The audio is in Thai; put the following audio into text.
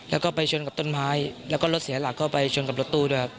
แล้วก็ไปชนกับต้นไม้แล้วก็รถเสียหลักเข้าไปชนกับรถตู้ด้วยครับ